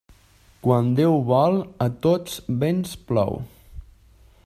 Quan Déu vol, a tots vents plou.